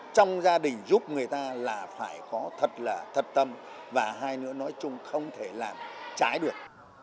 trong gia đình giúp người ta là phải có thật là thật tâm và hai nữa nói chung không thể làm trái được